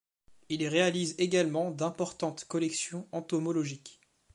Ils réalisent également d’importantes collections entomologiques.